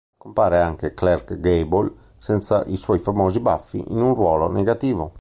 Compare anche Clark Gable senza i suoi famosi baffi in un ruolo negativo.